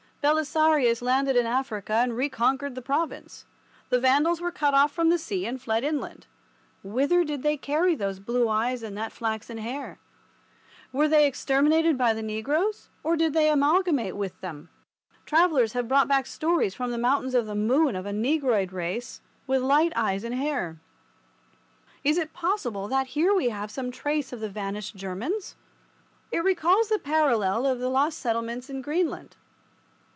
Belisarius landed in Africa and reconquered the province. The Vandals were cut off from the sea and fled inland. Whither did they carry those blue eyes and that flaxen hair? Were they exterminated by the negroes, or did they amalgamate with them? Travellers have brought back stories from the Mountains of the Moon of a Negroid race with light eyes and hair. Is it possible that here we have some trace of the vanished Germans? It recalls the parallel case of the lost settlements in Greenland.